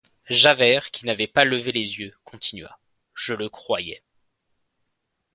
Javert, qui n’avait pas levé les yeux, continua: — Je le croyais.